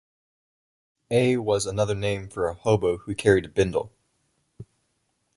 A was another name for a hobo who carried a bindle.